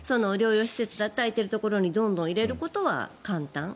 療養施設だって空いているところにどんどん入れることは簡単。